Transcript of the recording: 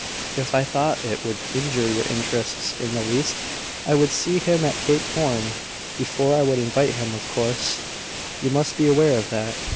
If I thought it would injure your interests in the least, I would see him at Cape Horn before I would invite him, of course: you must be aware of that.